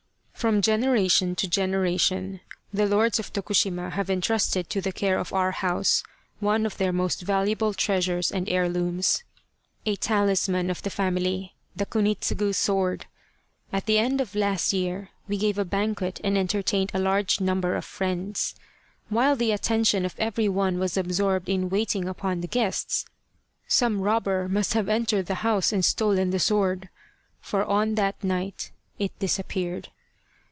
" From generation to generation the Lords of Tokushima have entrusted to the care of our house one of their most valuable treasures and heirlooms, 9 The Quest of the Sword a talisman of the family, the Kunitsugu sword. At the end of last year we gave a banquet and entertained a large number of friends. While the attention of every one was absorbed in waiting upon the guests, some robber must have entered the house and stolen the sword, for on that night it disappeared.